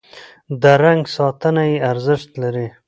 د رنګ ساتنه یې ارزښت لري.